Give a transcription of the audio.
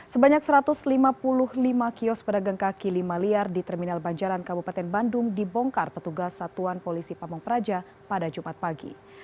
sebanyak satu ratus lima puluh lima kios pedagang kaki lima liar di terminal banjaran kabupaten bandung dibongkar petugas satuan polisi pamung praja pada jumat pagi